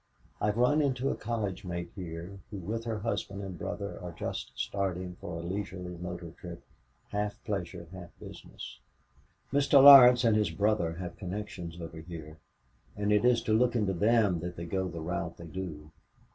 "I have run into a college mate here who with her husband and brother are just starting for a leisurely motor trip, half pleasure, half business. Mr. Laurence and his brother have connections over here, and it is to look into them that they go the route they do.